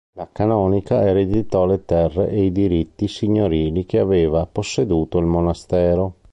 La canonica ereditò le terre e i diritti signorili che aveva posseduto il monastero.